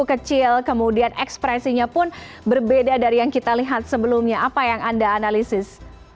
kecil kemudian ekspresinya pun berbeda dari yang kita lihat sebelumnya apa yang anda analisis